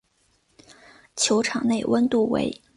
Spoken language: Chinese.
球场内温度为。